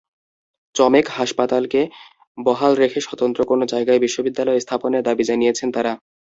চমেক হাসপাতালকে বহাল রেখে স্বতন্ত্র কোনো জায়গায় বিশ্ববিদ্যালয় স্থাপনের দাবি জানিয়েছেন তাঁরা।